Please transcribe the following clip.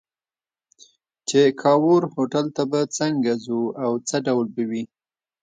چې کاوور هوټل ته به څنګه ځو او څه ډول به وي.